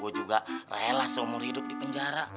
gue juga rela seumur hidup di penjara